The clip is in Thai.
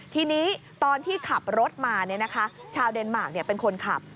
ทีนี้ตอนที่ขับรถมาชาวเดนมาร์คเป็นคนขับ